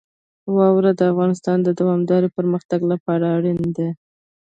واوره د افغانستان د دوامداره پرمختګ لپاره اړین دي.